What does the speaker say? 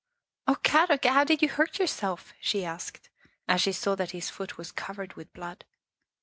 " Oh, Kadok, how did you hurt yourself?" she asked, as she saw that his foot was covered with blood.